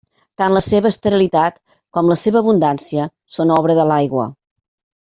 Tant la seva esterilitat com la seva abundància són obra de l'aigua.